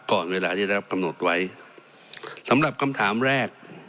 ก่อนเวลาที่ได้รับกำหนดไว้สำหรับคำถามแรก